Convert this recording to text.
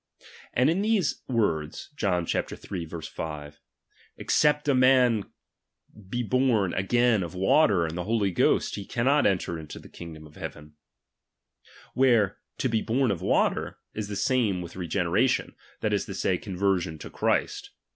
And in these "words (John iii. 5) : Except a man be born again chai'.xvii. of water and the Holy Ghost, he cannot enter into ' the kingdom of heaven : where, to be horn of loater, is the same with regeneration, that is to say, con version to Christ.